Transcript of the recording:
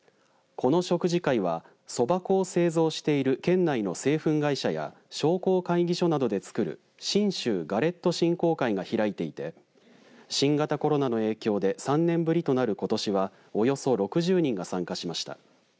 この食事会はそば粉を製造している県内の製粉会社や商工会議所などでつくる信州ガレット振興会が開いていて新型コロナの影響で３年ぶりとなる、ことしはおよそ６０人が参加しました。